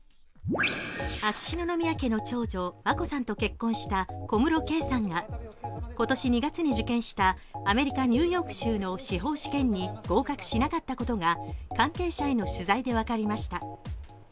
秋篠宮家の長女、眞子さんと結婚した小室圭さんが今年２月に受験したアメリカ・ニューヨーク州の司法試験に合格しなかったことが関係者への取材で分かりました。